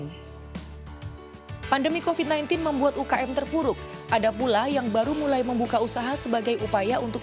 hai pandemi kofit sembilan belas membuat ukm terpuruk ada pula yang baru mulai membuka usaha sebagai upaya untuk